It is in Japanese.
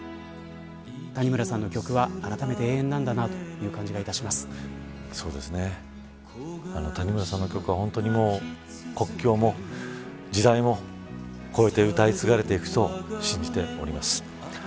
谷村さんの曲はあらためて永遠なんだなと感じます谷村さんの曲は国境も時代も越えて歌い継がれていくと信じています。